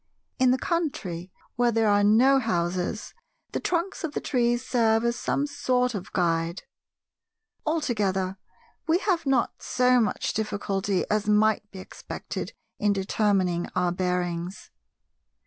In the country, where there are no houses, the trunks of the trees serve as some sort of guide. Altogether, we have not so much difficulty as might be expected in determining our bearings.